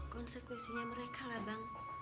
konsekuensinya mereka lah bang